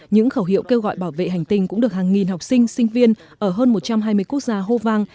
những khẩu hiệu kêu gọi bảo vệ hành tinh cũng được hàng nghìn học sinh sinh viên ở hơn một trăm hai mươi quốc gia hô vang